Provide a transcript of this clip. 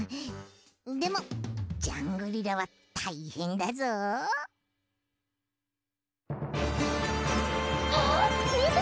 でもジャングリラはたいへんだぞ。あっみて！